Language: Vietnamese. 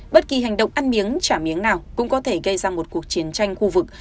bất kỳ hành động ăn miếng trả miếng nào cũng có thể gây ra một cuộc chiến tranh khu vực